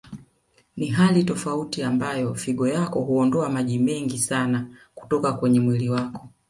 Ni hali tofauti ambayo figo yako huondoa maji mengi sana kutoka kwenye mwili wako